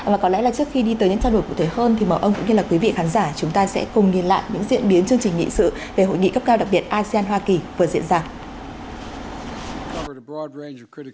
và có lẽ là trước khi đi tới những trao đổi cụ thể hơn thì mọi ông cũng như là quý vị khán giả chúng ta sẽ cùng nhìn lại những diễn biến chương trình nghị sự về hội nghị cấp cao đặc biệt asean hoa kỳ vừa diễn ra